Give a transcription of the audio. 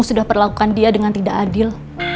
sudah perlakukan dia dengan tidak adil